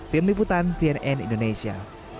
tim liputan cnn indonesia